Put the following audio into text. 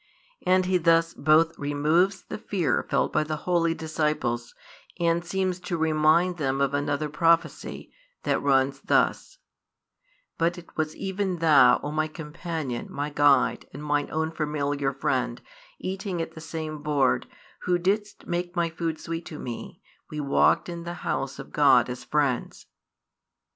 And He thus both removes the fear felt by the holy disciples, and seems to remind them of another prophecy, that runs thus: But it was even thou, O my companion, my guide, and mine own familiar friend: eating at the same board, thou didst make my food sweet to me: we walked in the house of God as friends.